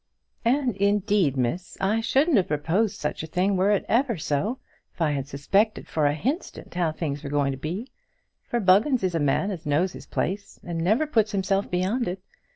"And indeed, Miss, I shouldn't have proposed such a thing, were it ever so, if I had suspected for a hinstant how things were a going to be. For Buggins is a man as knows his place, and never puts himself beyond it!